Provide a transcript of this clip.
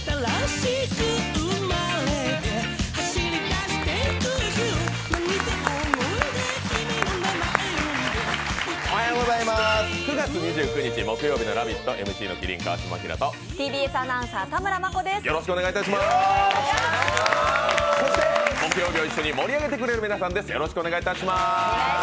そして、木曜日を一緒に盛り上げてくれる皆さんです。